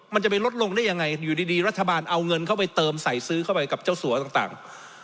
มันจะไปลดลงได้ยังไงอยู่ดีรัฐบาลเอาเงินเข้าไปเติมใส่ซื้อเข้าไปกับเจ้าสัวต่าง